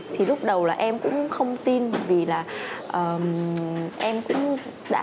thì lúc đầu là em cũng không tin vì là em cũng đã